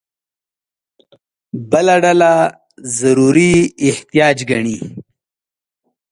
بله ډله ضروري احتیاج ګڼي.